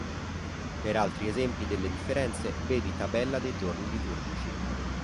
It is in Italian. Per altri esempi delle differenze vedi Tabella dei giorni liturgici.